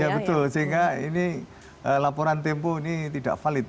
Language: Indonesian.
ya betul sehingga ini laporan tempo ini tidak valid